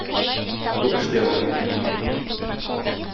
Бу эш дәвам итә.